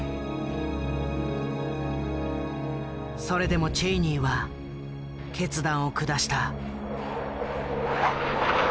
それでもチェイニーは決断を下した。